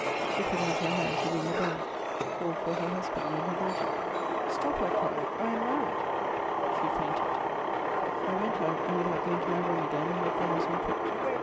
She put out her hand to ring the bell^ ^called lor er husband and her daughter. Stop," I cried, *' I am mar ried I She fainted. I went out, and without going to my room ag^ain, left the house on foot.